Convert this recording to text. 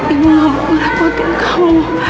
ibu gak mau merepotin kamu